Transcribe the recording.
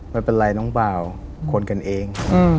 ไม่เป็นไรน้องบ่าวคนกันเอง